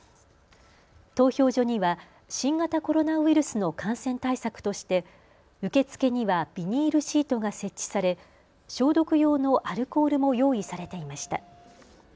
投票所には新型コロナウイルスの感染対策として受付にはビニールシートが設置され消毒用のアルコールも用意されていました。